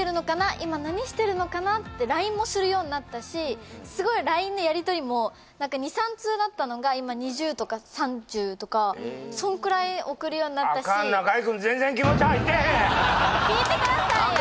今何してるのかな？ってＬＩＮＥもするようになったしすごいＬＩＮＥのやり取りも何か２３通だったのが今２０とか３０とかそんくらい送るようになったしアカン聞いてくださいよ！